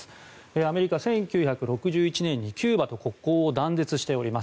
アメリカ、１９６１年にキューバと国交を断絶しています。